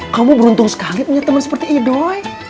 kamu beruntung sekali punya temen seperti idoi